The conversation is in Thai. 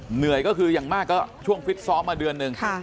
เหนื่อยก็คืออย่างมากก็ช่วงฟิตซ้อมมาเดือนหนึ่ง